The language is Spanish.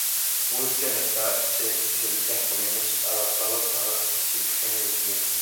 Western Star se especializa en camiones adaptados a las especificaciones del cliente.